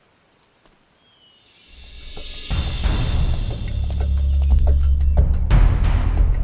มีบริษัทที่กรุงเทพส่งเมลมาเสนองานที่ทำการตลาดนี้